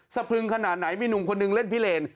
พลึงขนาดไหนมีหนุ่มคนนึงเล่นพิเลน